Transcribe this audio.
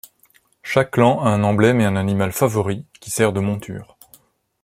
Chaque clan a un emblème et un animal favori, qui sert de monture.